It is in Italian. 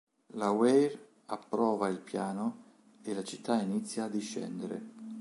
La Weir approva il piano e la città inizia a discendere.